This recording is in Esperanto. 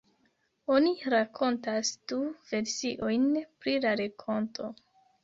Oni rakontas du versiojn pri la renkonto.